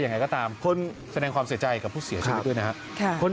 ยังไงก็ตามคนแสดงความเสียใจกับผู้เสียชีวิตด้วยนะครับ